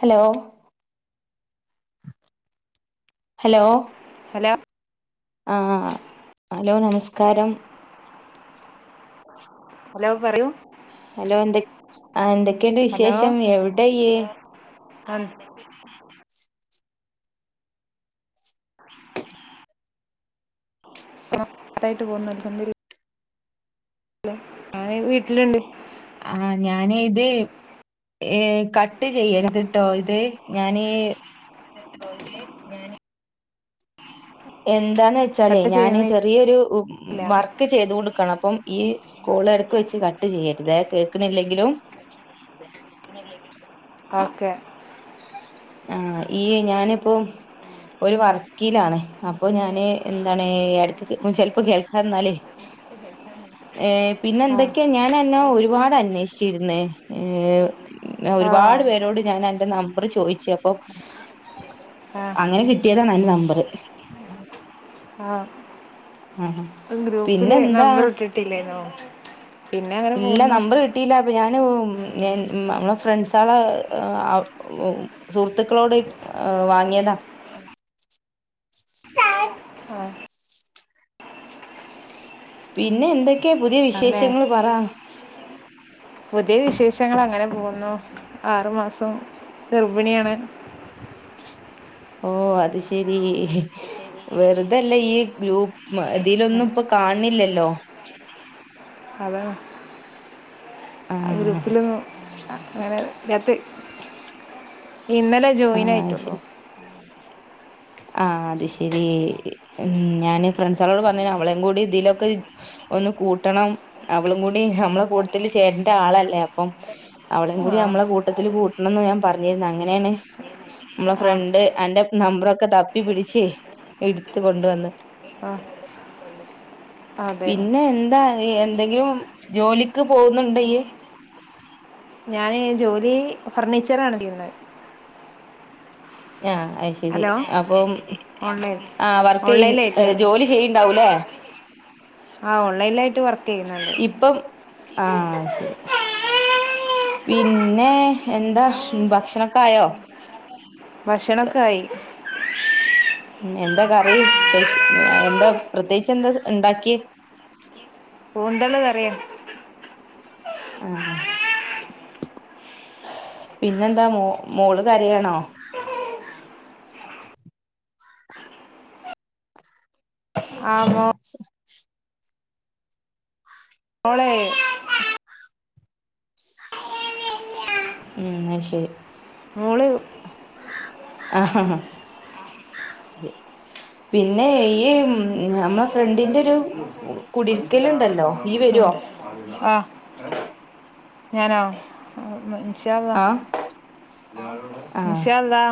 Hello hello hello ആഹ് hello നമസ്കാരം hello പറയൂ ഹലോ എന്ത ആഹ് എന്തൊക്കെയുണ്ട് വിശേഷം എവിടെയ്യ് അ സാ പ്രായിട്ട് പോകുന്നു അൽഹംദുലില്ലാഹ് ഞാന് വീട്ടിലുണ്ട് ആഹ് ഞാനെ ഇതെ ഏഹ് കട്ട് ചെയ്യരുതിട്ടോ ഇത് ഞാന് ഞാന് എന്താന്ന് വെച്ചാല് കട്ട് ഞാന് ചെയ്യുന്നില്ല ചെറിയൊരു ഉം വർക്ക് ചെയ്ത കൊണ്ട്ക്കണ അപ്പം ഇയ്യ് കോള് എടക്ക് വെച്ച് കട്ട് ചെയ്യരുത കേക്കണില്ലെങ്കിലും ഓക്കെ ആഹ് ഈ ഞാനിപ്പം ഒരു വർക്കിലാണ് അപ്പൊ ഞാന് എന്താണ് ഏഹ് ചെലപ്പോ കേൾക്കാന്നാലേ ഏഹ് പിന്നെ ആ എന്തൊക്കെയാ ഞാൻന്നാ ഒരുപാട് അന്വേഷിച്ചിരുന്നേ ഏഹ് ഞാൻ ആ ഒരുപാട് പേരോട് ഞാൻ അന്റെ നമ്പർ ചോയിച്ചപ്പൊ ആഹ് അങ്ങനെ കിട്ടിയതാണ് അയിന് നമ്പറ് ആഹ് പിന്നെ ഗ്രൂപ്പില് എന്താ നമ്പർ ഇട്ടിട്ടില്ലേന്നോ ഇല്ല നമ്പർ കിട്ടിയില്ല അപ്പൊ ഞാന് നമ്മളെ ഫ്രണ്ട്സളെ സുഹൃത്തുക്കളോട് വാങ്ങിയതാ ആഹ് പിന്നെ എന്തൊക്കെയാ പുതിയ അങ്ങനെ വിശേഷങ്ങൾ പറ പുതിയ വിശേഷങ്ങൾ അങ്ങനെ പോകുന്നു ആറു മാസം ഗർഭിണിയാണ് ഓ അത് ശരി വെറുതല്ല ഇയ്യ് ഗ്രൂപ്പ് ഇതിലൊന്നും ഇപ്പൊ കാണില്ലല്ലോ അതെ ആ ആഹ് ഗ്രൂപ്പിൽ ഒന്നും അങ്ങനെ ട്ട് [unintelligible] ഇന്നലെ ജോയിൻ ആഹ് ശരി. ആയിട്ടുള്ളൂ ആഹ് അത് ശരി ഞാന്ൻ ഫ്രണ്ട്സളോട് പറഞ്ഞ അവളേയും കൂടി ഇതിലൊക്കെ ഒന്ന് കൂട്ടണം അവളും കൂടി നമ്മള് കൂടുതൽ ചേരേണ്ട ആളല്ലേ അപ്പം അവളയും കൂടി ആ നമ്മളെ കൂട്ടത്തിൽ കൂട്ടണംന്ന് ഞാൻ പറഞ്ഞിരുന്നു അങ്ങനെയാണ് നമ്മളെ ആ ഫ്രണ്ട് അന്റെ നമ്പറൊക്കെ തപ്പി പിടിച്ച് എടുത്ത കൊണ്ടുവന്ന് ആഹ് അഹ് പിന്നെ എന്താ എന്തെങ്കിലും ജോലിക്ക് പോകുന്നുണ്ടോ ഇയ്യ് ഞാൻ ജോലി ഫർണിച്ച [unintelligible] ആഹ് ആയി ശെരി ഹലോ അപ്പം ഓൺലൈൻ ആഹ് വർക്ക് ഓൺലൈനിലായിട്ട് ജോലി ചെയ്യണ്ടാവൂലേ ആഹ് ഓൺലൈനിലായിട്ട് വർക്ക് ചെയ്യുന്നോണ്ട് ഇപ്പം ആഹ് ശെരി പിന്നെ എന്താ ഭക്ഷണൊക്കെ ആയോ? ഭക്ഷണോക്കെ ആയി ഉം എന്താ കറി സ്പ്യ എന്താ പ്രത്യേകിച്ച് എന്താ ഇണ്ടാക്കിയെ കൂന്തള് കറിയാ ആഹ് ആഹ് പിന്നെന്താ മോള് കരയാണോ? ആഹ് മോ ഉ മോളേ ഉം അയ്ശെരി മോള് ആഹ് ആഹ് പിന്നെ ഈ ഞമ്മള ഫ്രണ്ടിന്റെ ഒരു ക്കുടിരിക്കൽണ്ടല്ലോ ഈ വരുവോ- ആഹ് ഞാനോ ആഹ് ഇൻഷ അള്ളാ ആഹ് ഇൻഷാ അള്ളാ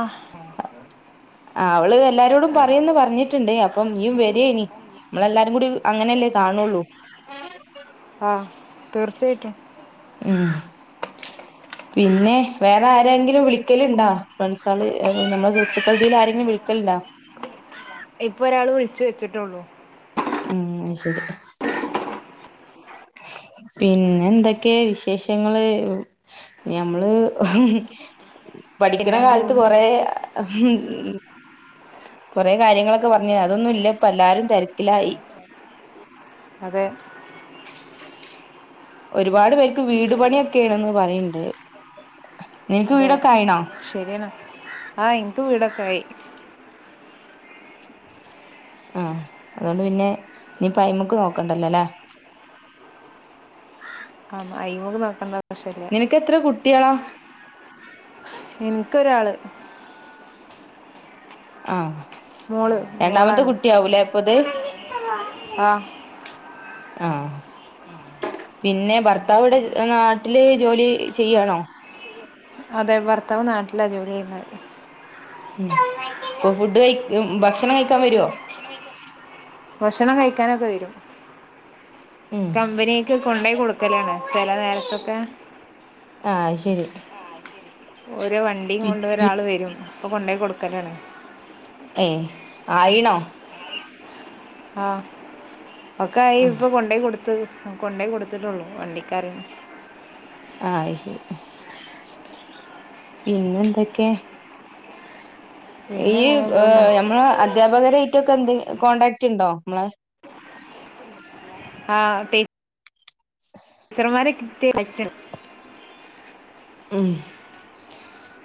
ആഹ് അവള് എല്ലാരോടും പറയുന്ന് പറഞ്ഞിട്ട്ണ്ട് അപ്പം ഇയ്യും വരു ഇനി മ്മളെല്ലാരും കൂടി അങ്ങനല്ലേ കാണുള്ളൂ ആഹ് തീർച്ചായിട്ടും ഉം പിന്നെ വേറെ ആരെങ്കിലും വിളിക്കല്ണ്ടാ ഫ്രണ്ട്സള് നമ്മെ സുഹൃത്തുക്കളതി ആരെങ്കിലും വിളിക്കലണ്ടാ? ഇപ്പോരാള് വിളിച്ചു വെച്ചിട്ടേള്ളൂ ഉം ശെരി പിന്നെ എന്തൊക്കെയെ വിശേഷങ്ങള് ഞമ്മള് പഠിക്കണ പിന്നെ അങ്ങനെ കാലത്ത് പോകുന്നു കൊറേ കൊറെ കാര്യങ്ങളൊക്കെ പറഞ്ഞ അതൊന്നും ഇല്ല ഇപ്പ എല്ലാരും തെരക്കിലായി അതെ ഒരുപാട് പേർക്ക് വീട് പണിയൊക്കെയണെന്ന് പറയ്ണ്ട് നിനക്ക് വീടൊക്കെ ആയിണോ? ശെരിയാണ് ആഹ് ഇൻക്ക് വീടക്കായി ആഹ് അതുകൊണ്ട് പിന്നെ നീ പൈമുക്ക് നോക്കണ്ടല്ലോല്ലേ ആഹ് [unintelligible] നോക്കണ്ട ആവശ്യല്ല നിനക്ക് എത്ര കുട്ടികളാ എൻക്കൊരാള് ആഹ് മോള് രണ്ടാമത്തെ മോളാണ് കുട്ടിയാവൂലേ എപ്പത് ആ ആഹ് പിന്നെ ഭർത്താവടെ നാട്ടില് ജോലി ചെയ്യുവാണോ അതെ ഭർത്താവ് നാട്ടിലാ ജോലി ചെയ്യുന്നത് ഉം പ്പോ ഫുഡ് കഴി ഭക്ഷണം കഴിക്കാൻ വരുവോ ഭക്ഷണം കഴിക്കാനൊക്കെ വരും ഉം കമ്പനി ക്ക് കൊണ്ടോയി കൊടുക്കലാണ് ചെല നേരത്തൊക്കെ ആഹ് ശരി ഒര് വണ്ടിയും കൊണ്ട് പിന്നെ ഒരാള് വരും അപ്പൊ കൊണ്ടോയ് കൊടുക്കലാണ് ഏഹ് ആയിണോ ആഹ് ഒക്കെ ആയി ആഹ് ഇപ്പൊ കൊണ്ടയ് കൊട്ത്ത് കൊണ്ടേയ് കൊടുത്തിട്ടുള്ളൂ വണ്ടിക്കാരൻ ആയ് ശരി പിന്നെന്തൊക്കെ പിന്നെ ഇയ്യ് എങ്ങനെ പോകുന്നു നമ്മളെ അധ്യാപകരായിട്ടൊക്കെ എന്തെ കോൺടാക്ട് ഉണ്ടോ മ്മളെ ആഹ് പേ [unintelligible] ഉം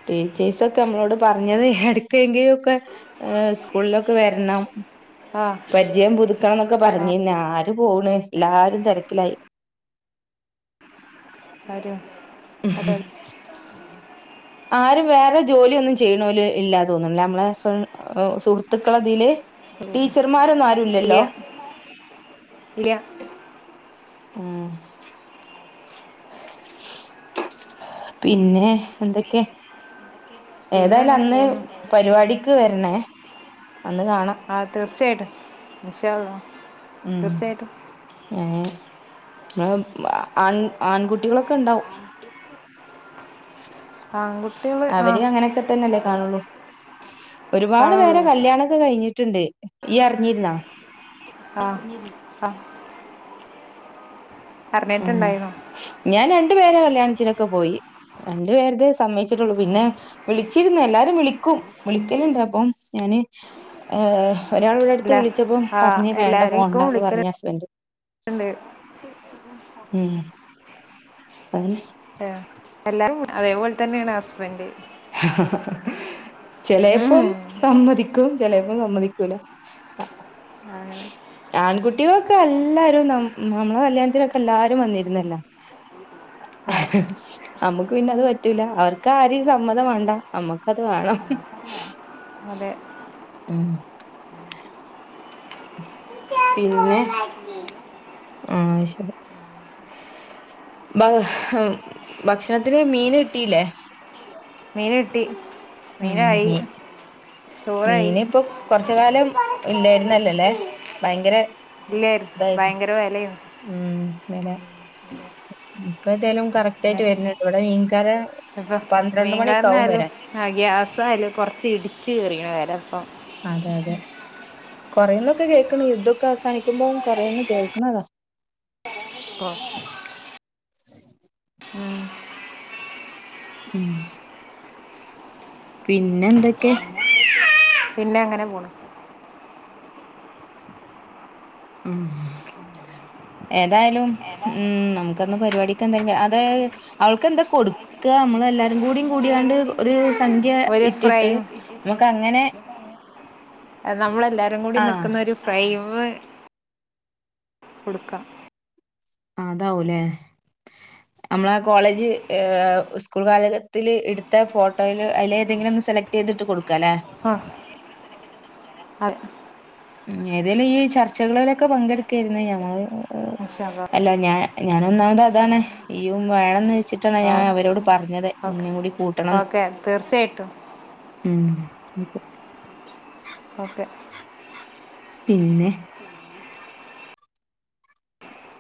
ടീച്ചേഴ്സൊക്കെ നമ്മളോട് പർഞ്ഞത് എടുക്കേങ്കും ഒക്കെ ഏഹ് സ്കൂളിലൊക്കെ വര്ണം ആഹ് പരിചയം പുതുക്കണം ന്നൊക്കെ പറഞ്ഞീന്ന ആര് പോണ് എല്ലാരും തെരക്കിലായി ല്ലാരും അതെ ആരും വേറെ ജോലി ഒന്നും ചെയ്യ്ണോല് ഇല്ലാ തോന്ന്ണ് ല്ലെ നമ്മളെ ഫ്ര സുഹൃത്തുക്കളതില് ടീച്ചർമാരൊന്നും ഇല്ല ആരുല്ലല്ലോ [unintelligible] ഉം പിന്നെ എന്തൊക്കെ പിന്നെ ഏതായാലും അങ്ങനെ അന്ന് പോകുന്നു പരിപാടിക്ക് വരണേ അന്ന് കാണാ ആഹ് തീർച്ചയായിട്ട് ഇൻഷാ അള്ളാ ഉം തീർച്ചയായിട്ട് [unintelligible] ആൺ ആൺകുട്ടികളൊക്കെ ഉണ്ടാവും ആൺകുട്ടികൾ ആ അവര് അങ്ങനെയൊക്കെ തന്നെല്ലേ കാണുള്ളൂ ഒരുപാട് പേരെ കാണുള്ളൂ കല്യാണൊക്കെ കഴിഞ്ഞിട്ടുണ്ട് ഇയ്യ് അറിഞ്ഞിരുന്നാ ആഹ് ആഹ് ഉം അറിഞ്ഞിട്ടുണ്ടായിരുന്നു ഞാൻ രണ്ടു പേരെ കല്യാണത്തിനൊക്കെ പോയി രണ്ടു പേരുതേ സമ്മയ്ച്ചിട്ടുള്ളു പിന്നെ വിളിച്ചിരുന്ന് എല്ലാരും വിളിക്കും വിളിക്കലുണ്ട് അപ്പൊ ഞാന് ഏഹ് ഒരാൾ ഇവിടെ അടുത്ത് ഇല്ല വിളിച്ചപ്പം ആ പർഞ് വേണ്ട പോണ്ടാന്ന് പർഞ് ഹസ്ബന്ഡ് ഉണ്ടായിര് [unintelligible] ഉം അ [unintelligible] എല്ലാരും അതേപോലെ തന്നെയാണ് ഹസ്ബൻഡ് ചെലേപ്പം സമ്മതിക്കും ചെലേപ്പം സമ്മതിക്കൂല അങ്ങനെ ആൺകുട്ടികളൊക്കെ എല്ലാരും നമ്മ നമ്മളെ കല്യാൺത്തിനൊക്കെ എല്ലാരും വന്നിരുന്നല്ലോ ആ നമുക്ക് പിന്നെ അത് പറ്റൂല അവർക്ക് ആരിം സമ്മതം വേണ്ട അമ്മക്കത് വേണം അതെ ഉം പിന്നെ ആഹ് ശരി [unintelligible] ഭക്ഷണത്തിന് മീന് കിട്ടിയില്ലേ മീന് കിട്ടി ഉം മീനായി ഇ ചോറായി മീൻ ഇപ്പൊ കൊറച്ച കാലം ഇല്ലായിരുന്നല്ലല്ലേ ഭയങ്കര ഇല്ല ഇതായിരുന്നു ഭയങ്കര വിലയും ഉം വില ഇപ്പ എന്തായാലും കറക്റ്റ് ആയിട്ട് വരുന്നുണ്ട ഇവിടെ മീൻകാല അപ്പം മീൻ കാരനായാലും ആ ഗ്യാസായാലും കുറച്ച് ഇടിച്ച് കയറിയണ വില അപ്പം അതെ അതെ കൊറെേന്നൊക്കെ കേൾക്കണ യുദ്ധമൊക്കെ അവസാനിക്കുമ്പോം കൊറേന്ന് കേൾക്കണതാ പ്പോ ഉം ഉം പിന്നെ എന്തൊക്കെ പിന്നെ അങ്ങനെ പോണം ഉം ഏതായാലും ഉംനമുക്കന്ന് പരിപാടിക്ക് എന്തെങ്കിലും അത് അവൾക്ക് എന്തോ കൊടു ക്ക നമ്മള എല്ലാരും കൂടി കൂടിയാണ്ട് ഒരു സംഖ്യ ഒരു ഇട്ടിട്ട് ഫ്രൈയും നമുക്ക് അങ്ങനെ നമ്മളെ എല്ലാരും കൂടി ആഹ് നിക്കുന്ന ഒരു ഫ്രൈമ് കൊടുക്കാം അതാവൂല്ലേ നമ്മള ആ കോളേജ് സ്കൂൾ കാലത്തിൽ എടുത്ത ഫോട്ടോയിൽ അല്ലെ ഏതെങ്കിലും ഒ സെലക്ട് ചെയ്തിട്ട് കൊടുക്കാല്ലെ ആഹ് അ ഉ ഏതേലും ഈ ചർച്ചകളിലൊക്കെ പങ്കെടുക്കായിരുന്ന ഞങ്ങൾ ഇൻഷാ അള്ളാ. അല്ല ഞാൻ ഞാൻ ഒന്നാമത് അതാണ് ഈ യും വേണന്ന് വെച്ചിട്ട് കട്ടണ ആ ഞാൻ അവരോട് പറഞ്ഞത് ഓക്കെ ഇന്നും കൂടി കൂട്ടണംന്ന് ഓക്കെ തീർച്ചയായിട്ടും ഉം ഓക്കെ പിന്നെ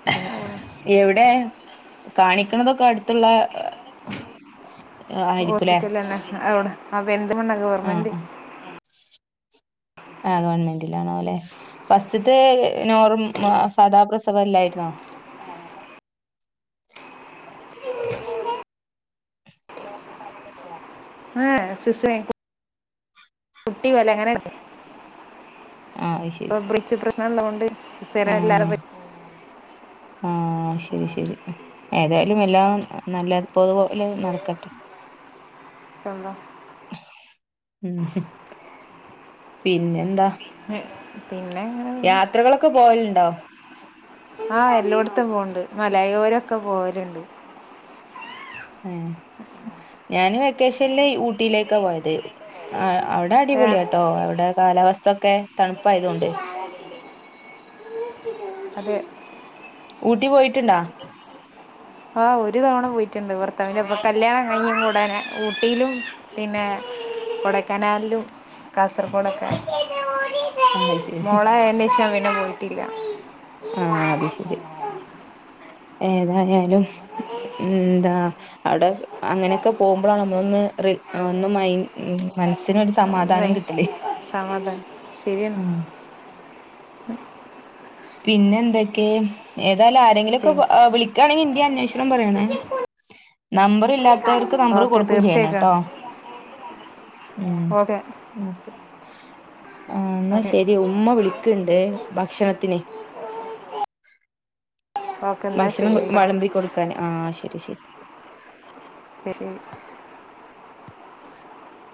[inaudible] എവിടെ കാണിക്കണതൊക്കെ അടുത്തുള്ള ആ ഹോസ്പിറ്റല തന്നെ അവിടെ അപ്പൊ [unintelligible] ആഹ് ഗവൺമെന്റ് ആഹ് ഗവൺമെന്റിലാണോ അല്ലെ ഫസ്റ്റത്തെ നോർ സാധാ പ്രസവല്ലായിരുന്നോ [inaudible] കുട്ടി വെലങ്ങനെ ആഹ് അയ്‌ ഇപ്പ ബ്രിച്ച് പ്രശ്നം ഉള്ളതൊണ്ട് സ്ഥിര എല്ലാരും ആഹ് ആഹ് ശരി ശരി ഏതായാലും എല്ലാം നല്ലതുപോലെ നടക്കട്ടെ ശാള്ളാ പിന്നെ എന്താ പിന്നെങ്ങനെ യാത്രകളൊക്കെ പോകലുണ്ടോ ആഹ് എല്ലായിടത്തും പോകണ്ട് മലയോരൊക്കെ പോവലുണ്ട് ഉം ഞാന് വെക്കേഷനൽ ഊട്ടിയിലേക്കാ പോയത് അവിടെ ഇവിടെ ആ, അടിപൊളിട്ടോ അവിടെ കാലാവസ്ഥ ഒക്കെ തണുപ്പായതുകൊണ്ട് അതെ ഊട്ടി പോയിട്ടുണ്ടോ ആഹ് ഒരു തവണ പോയിട്ടുണ്ട് ഭർത്താവിന്റെ ഒപ്പൊ കല്യാണം കഴിഞ്ഞും ഉടനെ ഊട്ടിയിലും പിന്നെ കൊടക്കനാലിലും കാസർഗോഡൊക്കെ ആ അത് ശരി മോളായതിനേഷം പിന്നെ പോയിട്ടില്ല ആഹ്അത് ശരിയ ഏതായാലും എന്താ അവിടെ അങ്ങനെയൊക്കെ പോകുമ്പോഴാണ് നമ്മളൊന്ന് ഒന്ന് മയങ്ങി ഉം മനസ്സിനൊരു അമ്മേ സമാധാനം കിട്ടലേ സമാധാനം ഉ ശരിയാണ് പിന്നെ എന്തൊക്കെ ഏതായാലും ആരെങ്കിലുംക്കെ പിന്നെ വിളി ക്കാണെങ്ക എന്ത്യ അന്വേഷണം പറയണെ നമ്പർ ഇല്ലാത്തവർക്ക് നമ്പർ ഓക്കെ കൊടുക്കയും ചെയ്യണംട്ടോ തീർച്ചയായിട്ടും ഉ ഓക്കെ ഓക്കെ ആഹ് എന്നാ ഓക്കെ ശരി ഉമ്മ വിളിക്കണ്ട് ഭക്ഷണത്തിന് ഓ ഭക്ഷണം വളമ്പി കൊടുക്കാന് ആഹ് ശരി ശരി ശരി